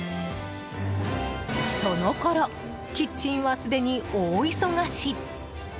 そのころキッチンはすでに大忙し！